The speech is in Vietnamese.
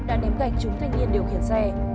đã ném gạch chúng thanh niên điều khiển xe